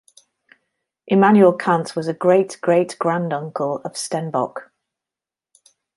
Immanuel Kant was a great-great-granduncle of Stenbock.